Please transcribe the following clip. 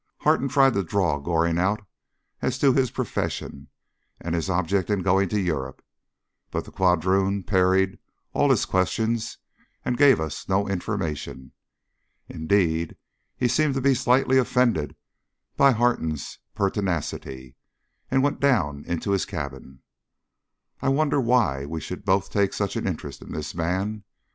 Harton tried to draw Goring out as to his profession, and his object in going to Europe, but the quadroon parried all his questions and gave us no information. Indeed, he seemed to be slightly offended by Harton's pertinacity, and went down into his cabin. I wonder why we should both take such an interest in this man!